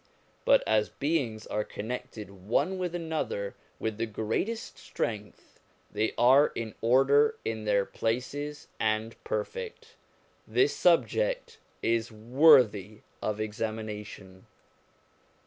But as beings are connected one with another with the greatest strength, they are in order in their places and perfect. This subject is worthy of examination.